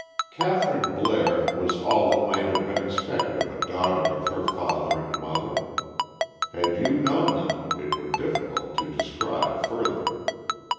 Kathryn Blair was all that might have been expected of a daughter of her father and mother. Had you known them, it were difficult to describe further.